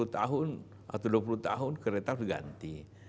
sepuluh tahun atau dua puluh tahun kereta harus diganti